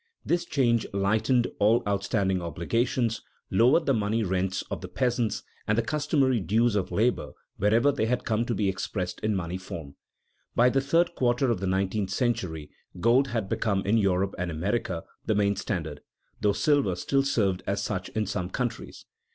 This change lightened all outstanding obligations, lowered the money rents of the peasants, and the customary dues of labor wherever they had come to be expressed in money form. By the third quarter of the nineteenth century gold had become in Europe and America the main standard, though silver still served as such in some countries.